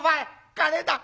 金だ！